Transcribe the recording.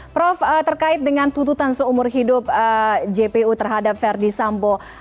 prof terkait dengan tuntutan seumur hidup jpu terhadap verdi sambo